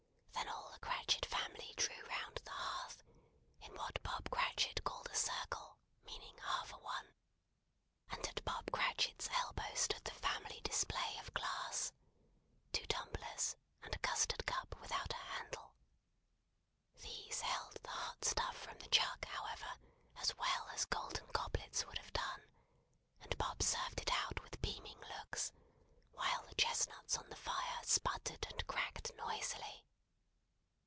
Then all the Cratchit family drew round the hearth, in what Bob Cratchit called a circle, meaning half a one; and at Bob Cratchit's elbow stood the family display of glass. Two tumblers, and a custard cup without a handle. These held the hot stuff from the jug, however, as well as golden goblets would have done; and Bob served it out with beaming looks, while the chestnuts on the fire sputtered and cracked noisily.